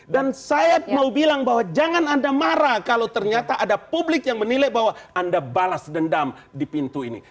dan saya mau bilang bahwa jangan anda marah kalau ternyata ada publik yang menilai bahwa anda balas dendam di pintu ini